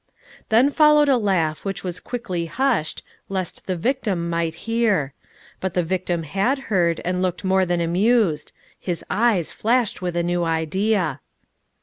Then followed a laugh which was quickly hushed, lest the victim might hear. But the victim had heard, and looked more than amused ; his eyes flashed with a new idea.